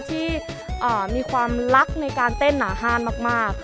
ที่มีความรักในการเต้นหนาฮ่านมาก